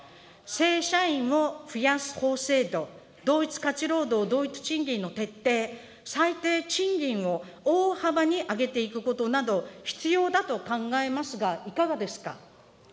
正社員を増やす法制度、同一価値労働同一賃金の徹底、最低賃金を大幅に上げていくことなど、必要だと考えますが、いかがですか。